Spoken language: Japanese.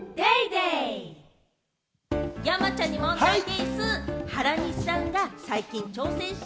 山ちゃんに問題でぃす。